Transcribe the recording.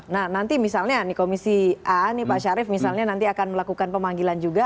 nah nanti misalnya nih komisi a nih pak syarif misalnya nanti akan melakukan pemanggilan juga